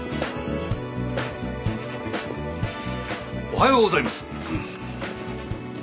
おはようございます。